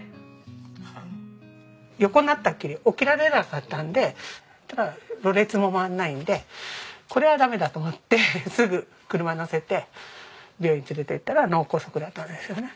横になったきり起きられなかったので呂律も回らないのでこれはダメだと思ってすぐ車乗せて病院連れて行ったら脳梗塞だったんですよね。